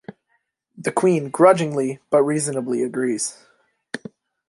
The Queen, grudgingly, but reasonably, agrees.